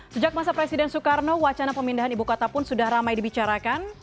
sejak masa presiden soekarno wacana pemindahan ibu kota pun sudah ramai dibicarakan